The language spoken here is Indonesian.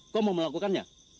kau mau melakukannya